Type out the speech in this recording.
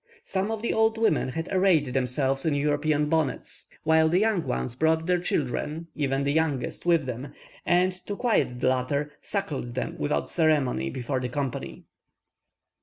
Some of the old women had arrayed themselves in European bonnets, while the young ones brought their children, even the youngest, with them, and, to quiet the latter, suckled them without ceremony before the company.